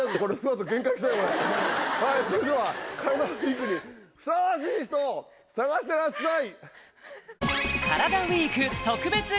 はいそれでは「カラダＷＥＥＫ」にふさわしい人を探してらっしゃい！